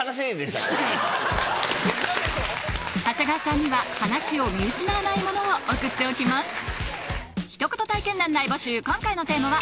長谷川さんには話を見失わないものを送っておきます